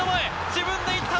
自分でいった！